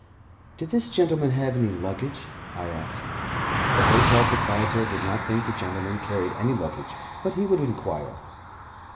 "Did this gentleman have any luggage?" I asked. The hotel proprietor did not think the gentleman carried any luggage, but he would inquire.